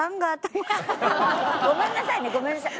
ごめんなさいねごめんなさい。